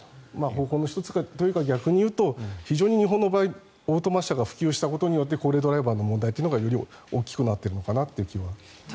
方法の１つというか逆に言うと、非常に日本の場合オートマ車が増えたことで高齢ドライバーの問題がより大きくなっているのかなという気がしますね。